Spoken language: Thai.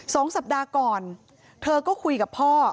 สองสัปดาห์ก่อนเธอก็คุยกับพ่อ